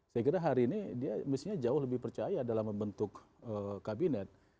saya kira hari ini dia mestinya jauh lebih percaya dalam membentuk kabinet